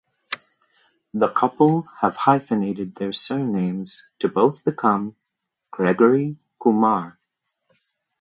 The couple have hyphenated their surnames to both become Gregory-Kumar.